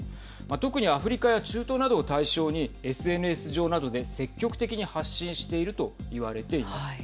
特にアフリカや中東などを対象にＳＮＳ上などで積極的に発信していると言われています。